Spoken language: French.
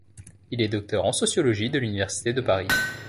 Il est docteur en sociologie de l'université de Paris.